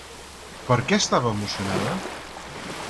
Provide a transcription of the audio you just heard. Per què estava emocionada?